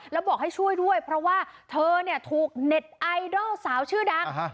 แล้วบอกให้ช่วยด้วยเพราะว่าเธอเนี่ยถูกเน็ตไอดอลสาวชื่อดัง